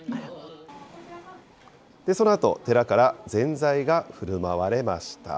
そのあと、寺からぜんざいがふるまわれました。